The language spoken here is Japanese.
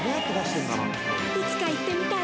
◆いつか行ってみたい。